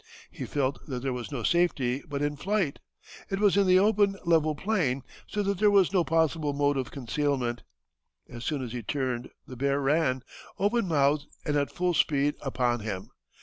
"He felt that there was no safety but in flight. It was in the open, level plain, ... so that there was no possible mode of concealment.... As soon as he turned the bear ran, open mouthed and at full speed, upon him.